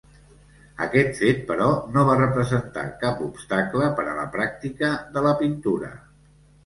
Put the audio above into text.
Aquest fet però no va representar cap obstacle per a la pràctica de la pintura.